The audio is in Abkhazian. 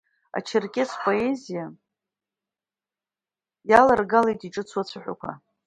Ачерқьес поезиа иаларгалеит иҿыцу ацәаҳәақәа.